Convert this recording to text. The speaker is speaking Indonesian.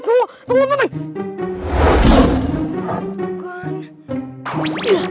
eh tunggu tunggu